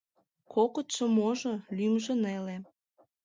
Кокытшо-можо, лӱмжӧ неле.